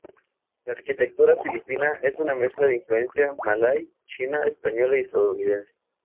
La arquitectura filipina es una mezcla de influencia malay, china, española y estadounidense.